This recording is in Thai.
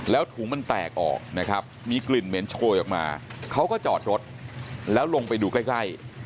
แล้วถุงมันแตกออกนะครับมีกลิ่นเหม็นโชยออกมาเขาก็จอดรถแล้วลงไปดูใกล้